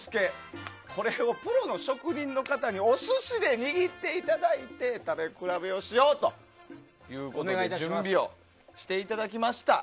これをプロの職人の方でお寿司で握っていただいて食べ比べをしようということで準備をしていただきました。